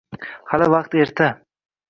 Hali vaqt erta.